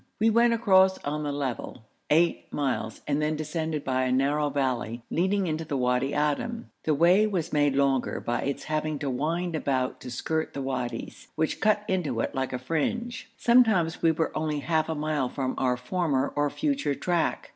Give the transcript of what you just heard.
We went across on the level, eight miles, and then descended by a narrow valley leading into the Wadi Adim. The way was made longer by its having to wind about to skirt the wadis, which cut into it like a fringe; sometimes we were only half a mile from our former or future track.